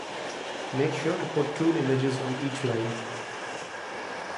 Make sure to put two images on each line.